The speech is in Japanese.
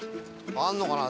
あるのかな？